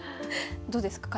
どうですか？